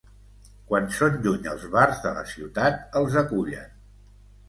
Quan són lluny els bars de la ciutat els acullen.